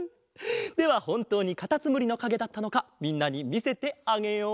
ではほんとうにかたつむりのかげだったのかみんなにみせてあげよう。